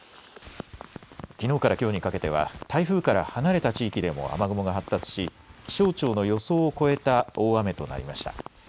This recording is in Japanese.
きのうからきょうにかけては台風から離れた地域でも雨雲が発達し気象庁の予想を超えた大雨となりました。